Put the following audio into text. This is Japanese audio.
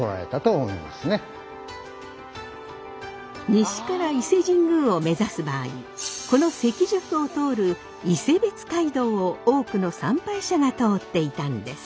西から伊勢神宮を目指す場合この関宿を通る伊勢別街道を多くの参拝者が通っていたんです。